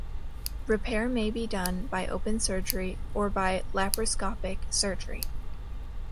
Repair may be done by open surgery or by laparoscopic surgery.